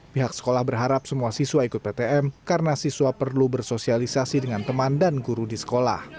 pihak sekolah berharap semua siswa ikut ptm karena siswa perlu bersosialisasi dengan teman dan guru di sekolah